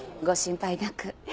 ご心配なく。